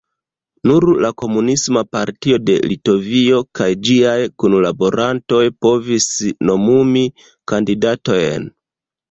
Nur la Komunisma partio de Litovio kaj ĝiaj kunlaborantoj povis nomumi kandidatojn.